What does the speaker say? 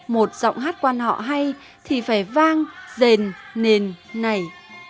một giọng hát quan họ hay thì phải vang rền nền này